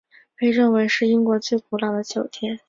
被认为是英国最古老的酒店。